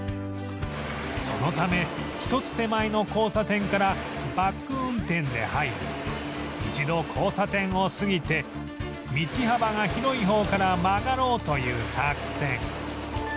そのため一つ手前の交差点からバック運転で入り一度交差点を過ぎて道幅が広い方から曲がろうという作戦